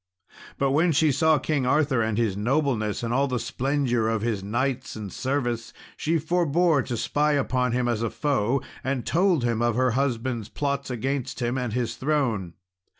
But when she saw King Arthur and his nobleness, and all the splendour of his knights and service, she forbore to spy upon him as a foe, and told him of her husband's plots against him and his throne.